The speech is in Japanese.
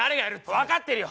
分かってるよ！